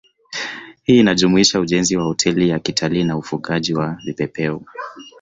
Hii inajumuisha ujenzi wa hoteli za kitalii na ufugaji wa vipepeo